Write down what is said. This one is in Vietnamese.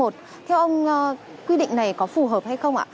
theo ông quy định này có phù hợp hay không ạ